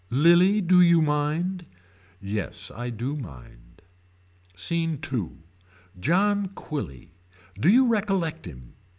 Lilie do you mind. Yes I do mind. SCENE II. John Quilly. Do you recollect him.